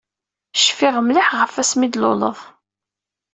Cfiɣ mliḥ ɣef asmi d-tluleḍ.